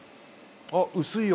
あっ薄いよ